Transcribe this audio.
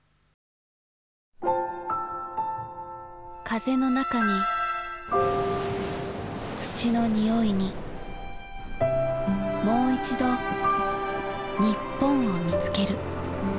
風の中に土の匂いにもういちど日本を見つける。